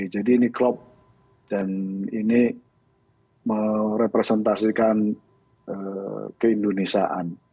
jadi ini klop dan ini merepresentasikan ke indonesiaan